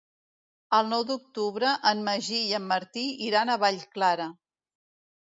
El nou d'octubre en Magí i en Martí iran a Vallclara.